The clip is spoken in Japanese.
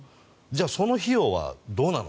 その費用はどうなの？